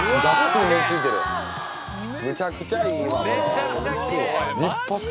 めちゃくちゃいいわ。